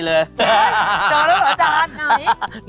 เจอแล้วเหรอฉัน